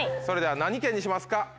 それでは何県にしますか？